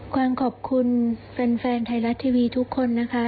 ความขอบคุณแฟนไทยรัฐทีวีทุกคนนะคะ